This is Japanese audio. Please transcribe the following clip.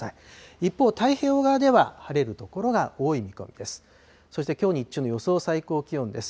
一方、太平洋側では晴れる所が多い見込みです。